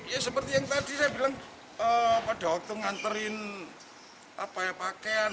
ya seperti yang tadi saya bilang pada waktu nganterin pakaian